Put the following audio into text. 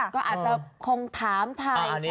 ก็อาจจะคงถามถ่าย